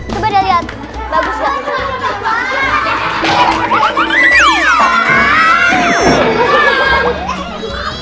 coba deh liat bagus gak